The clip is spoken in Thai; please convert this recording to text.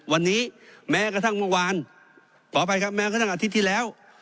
วันนี้แม้กระทั่งเมื่อวานขออภัยครับแม้กระทั่งอาทิตย์ที่แล้ว